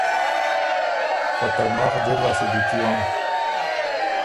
خه ترماخ ځِر لاسته دی تیون۔